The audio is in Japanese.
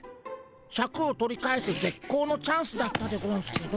シャクを取り返すぜっこうのチャンスだったでゴンスけど。